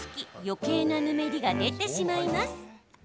よけいなぬめりが出てしまいます。